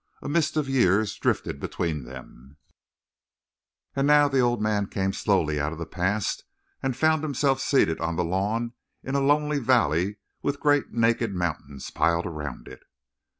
A mist of years drifted between them, and now the old man came slowly out of the past and found himself seated on the lawn in a lonely valley with great, naked mountains piled around it.